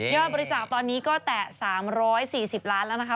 ยอมบริสาปตอนนี้ก็แตะ๓๔๐ล้านบาทแล้วนะคะ